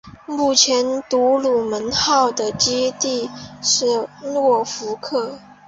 目前杜鲁门号的基地是诺福克。